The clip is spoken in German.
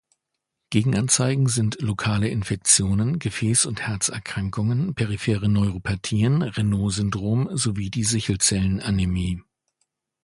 Gegenanzeigen sind lokale Infektionen, Gefäß- und Herzerkrankungen, periphere Neuropathien, Raynaud-Syndrom sowie die Sichelzellenanämie.